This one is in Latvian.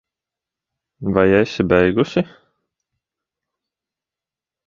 Vai esi beigusi?